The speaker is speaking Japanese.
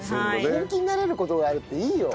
本気になれる事があるっていいよ。